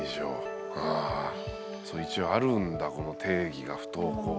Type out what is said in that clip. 一応あるんだこの定義が不登校の。